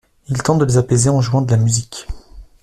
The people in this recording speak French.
Il tente de les apaiser en jouant de la musique.